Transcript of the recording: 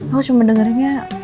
aku cuma dengerinnya